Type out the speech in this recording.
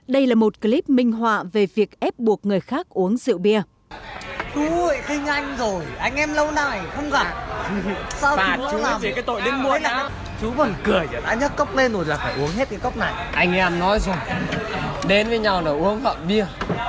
đây là một clip minh họa về việc ép buộc người khác uống rượu bia